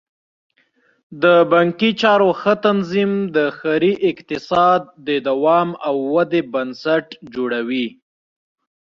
د بانکي چارو ښه تنظیم د ښاري اقتصاد د دوام او ودې بنسټ جوړوي.